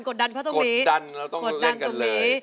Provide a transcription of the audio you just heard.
กดดันเราต้องเล่นกันเลย